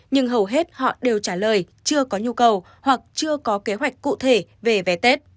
nhưng hầu hết họ đều trả lời chưa có nhu cầu hoặc chưa có kế hoạch cụ thể về vé tết